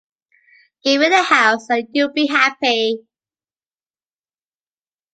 Give it a house and you’ll be happy.